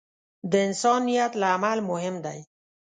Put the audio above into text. د انسان نیت له عمل مهم دی.